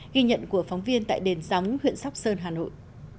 ghi nhận của phóng viên tại đền gióng huyện sóc sơn hà nội